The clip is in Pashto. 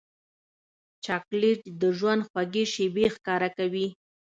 چاکلېټ د ژوند خوږې شېبې ښکاره کوي.